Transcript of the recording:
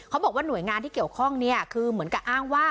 บอกว่าหน่วยงานที่เกี่ยวข้องเนี่ยคือเหมือนกับอ้างว่า